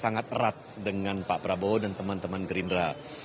sangat erat dengan pak prabowo dan teman teman gerindra